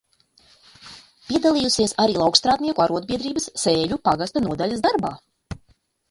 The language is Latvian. Piedalījusies arī laukstrādnieku arodbiedrības Sēļu pagasta nodaļas darbā.